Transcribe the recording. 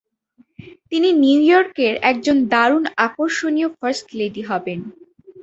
তিনি নিউইয়র্কের একজন দারুন আকর্ষণীয় ফার্স্ট লেডি হবেন।